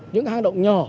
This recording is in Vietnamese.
những hang động nhỏ